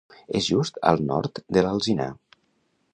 És just al nord de l'Alzinar.